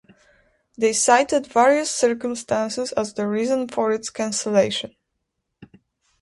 They cited "various circumstances" as the reason for its cancellation.